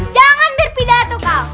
jangan berpidato kau